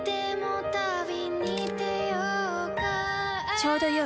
ちょうどよい。